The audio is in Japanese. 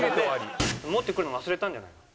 持ってくるの忘れたんじゃないの？